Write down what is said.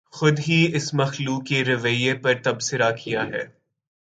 خود ہی اس مخلوق کے رویے پر تبصرہ کیاہے